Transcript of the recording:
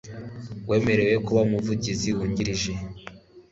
uwemerewe kuba umuvugizi wungirije